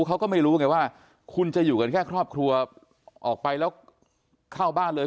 เขาก็ไม่รู้ไงว่าคุณจะอยู่กันแค่ครอบครัวออกไปแล้วเข้าบ้านเลย